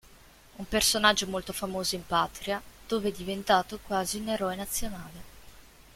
Un personaggio molto famoso in patria, dove è diventato quasi un eroe nazionale.